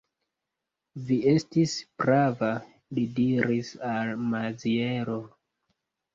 Vi estis prava, li diris al Maziero.